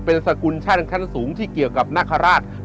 เป็นสกุลชั่นขั้นสูงที่เกี่ยวกับนาคาราช